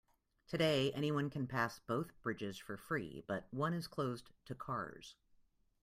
Today, anyone can pass both bridges for free, but one is closed to cars.